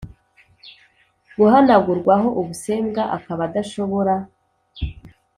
guhanagurwaho ubusembwa akaba adashobora